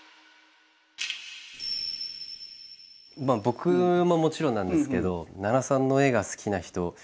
僕ももちろんなんですけど奈良さんの絵が好きな人